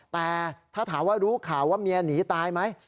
แต่ถ้าถามว่ารู้ข่าวว่าเมียหนีตายไหม